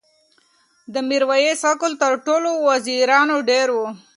د میرویس عقل تر ټولو وزیرانو ډېر و.